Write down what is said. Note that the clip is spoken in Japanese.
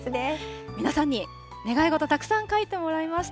皆さんに願い事、たくさん書いてもらいました。